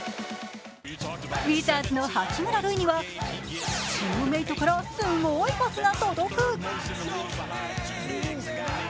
ウィザーズの八村塁には、チームメートからすごいパスが届く。